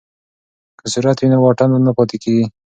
که سرعت وي نو واټن نه پاتې کیږي.